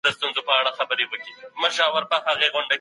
هغوی د محمد داوود خان لپاره یو تاریخ ونړاوه.